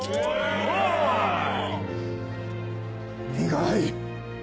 苦い。